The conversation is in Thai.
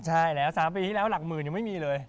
ใช่แล้ว๓ปีที่แล้วหลักหมื่นยังไม่มีเลย